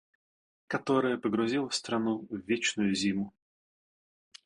которая погрузила страну в вечную зиму.